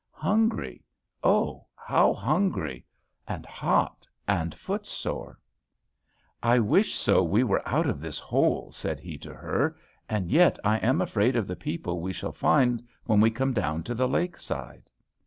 hungry, oh, how hungry! and hot and foot sore. "I wish so we were out of this hole," said he to her, "and yet I am afraid of the people we shall find when we come down to the lake side."